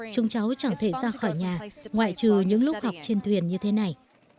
chúng cháu chẳng thể ra khỏi nhà ngoại trừ những lúc học trên thuyền như thế này